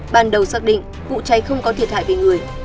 ban đầu xác định vụ cháy không có thiệt hại về người